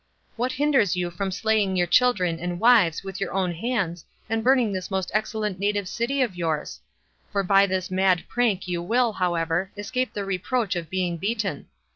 What hinders you from slaying your children and wives with your own hands, and burning this most excellent native city of yours? for by this mad prank you will, however, escape the reproach of being beaten.